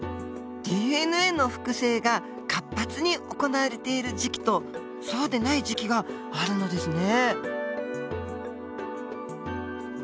ＤＮＡの複製が活発に行われている時期とそうでない時期があるのですね。